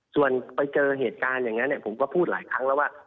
ส่วนไปเจอเหตุการณ์อย่างนั้นผมก็พูดหลายครั้งแล้วว่า